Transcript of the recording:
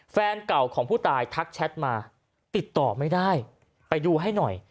แฟนเก่าของผู้ตายทักแชทมาติดต่อไม่ได้ไปดูให้หน่อย